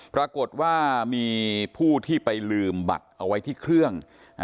ปรากฏว่ามีผู้ที่ไปลืมบัตรเอาไว้ที่เครื่อง